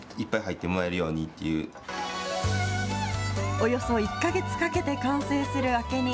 およそ１か月かけて完成する明け荷。